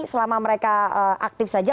selama mereka aktif saja